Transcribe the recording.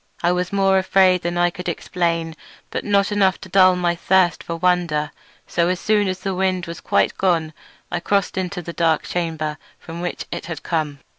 I was more afraid than I could explain, but not enough to dull my thirst for wonder; so as soon as the wind was quite gone I crossed into the dark chamber from which it had come.